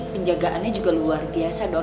penjagaannya juga luar biasa dong